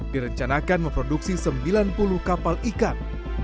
direncanakan memproduksi sembilan puluh kapal ikan